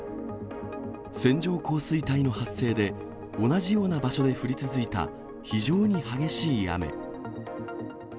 線状降水帯の発生で、同じような場所で降り続いた非常に激しい雨。